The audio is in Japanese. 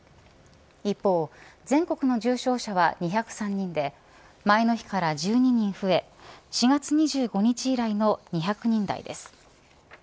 一方、全国の重症者は２０３人で前の日から１２人増え４月２５日以来の２００人台です。